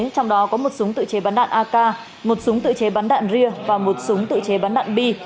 trong đó có một súng tự chế bắn đạn ak một súng tự chế bắn đạn ria và một súng tự chế bắn đạn bi